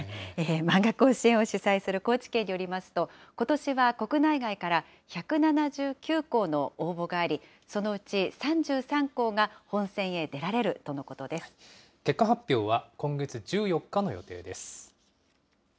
まんが甲子園を主催する高知県によりますと、ことしは国内外から１７９校の応募があり、そのうち３３校が本戦結果発表は今月１４日の予定です。